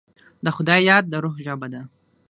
د خدای یاد، د روح ژبه ده.